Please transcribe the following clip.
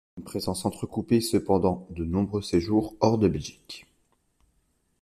Une présence entrecoupée, cependant, de nombreux séjours hors de Belgique.